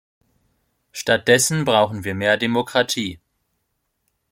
Stattdessen brauchen wir mehr Demokratie!